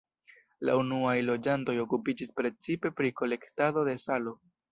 La unuaj loĝantoj okupiĝis precipe pri kolektado de salo.